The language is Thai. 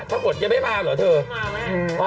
ทั้งหมดยังไม่มาเหรอเธอ